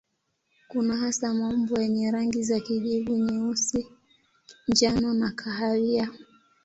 Kuna hasa maumbo yenye rangi za kijivu, nyeusi, njano na kahawia.